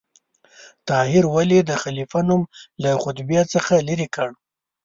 طاهر ولې د خلیفه نوم له خطبې څخه لرې کړ؟